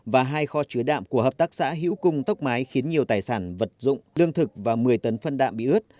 và hai kho chứa đạm của hợp tác xã hữu cung tốc mái khiến nhiều tài sản vật dụng lương thực và một mươi tấn phân đạm bị ướt